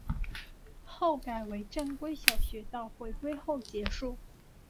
后改为正规小学到回归后结束。